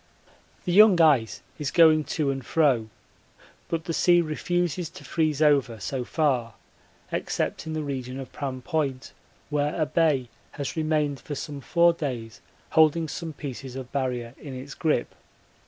The young ice is going to and fro, but the sea refuses to freeze over so far except in the region of Pram Point, where a bay has remained for some four days holding some pieces of Barrier in its grip.